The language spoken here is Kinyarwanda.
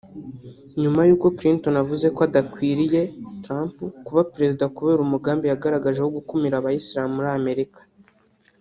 nyuma y’uko Clinton avuze ko adakwiriye [Trump] kuba Perezida kubera umugambi yagaragaje wo gukumira Abayisilamu muri Amerika